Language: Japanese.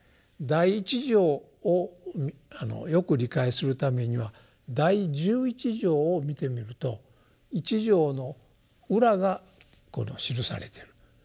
第一条をよく理解するためには第十一条を見てみると一条の裏が記されてる。